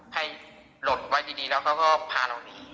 ให้หลดไว้ทีนี้แล้วเขาก็พาเรานี่